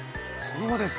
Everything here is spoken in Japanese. そうですか！